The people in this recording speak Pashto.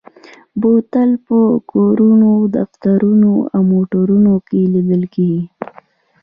بوتل په کورونو، دفترونو او موټرو کې لیدل کېږي.